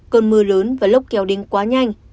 cơn mưa lớn và lốc kéo đến quá nhanh